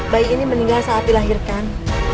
bayi ini meninggal saat dilahirkan